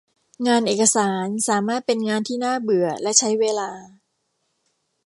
งานเอกสารสามารถเป็นงานที่น่าเบื่อและใช้เวลา